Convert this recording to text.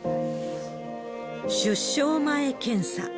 出生前検査。